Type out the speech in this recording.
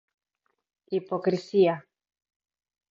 Hipocrisía.